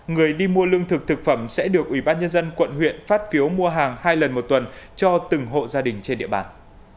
người đi mua lương thực thực phẩm sẽ được ủy ban nhân dân quận huyện phát phiếu mua hàng hai lần một tuần cho từng hộ gia đình trên địa bàn